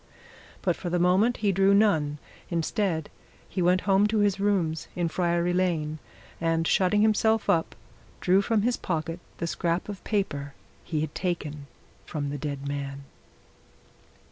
But for the moment he drew none instead, he went home to his rooms in Friary Lane, and shutting himself up, drew from his pocket the scrap of paper he had taken from the dead man.